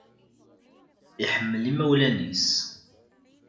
Iḥemmel imawlan-is